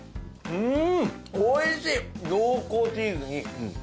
うん！